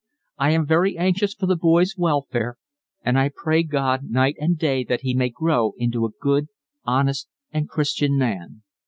I am very anxious for the boy's welfare and I pray God night and day that he may grow into a good, honest, and Christian man.